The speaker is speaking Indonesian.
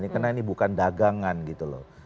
karena ini bukan dagangan gitu loh